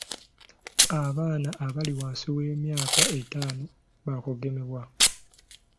Abaana abali wansi w'emyaka etaano baakugemebwa.